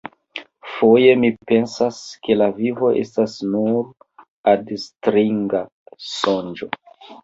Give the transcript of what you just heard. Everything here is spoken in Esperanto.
Foje mi pensas, ke la vivo estas nur adstringa sonĝo.